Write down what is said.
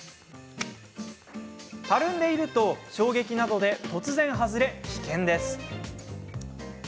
たるんでいると衝撃などで突然、外れ危険です。